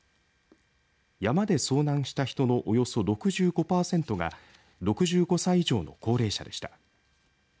山で遭難した人のおよそ６５パーセントが６５歳以上の高齢者でした。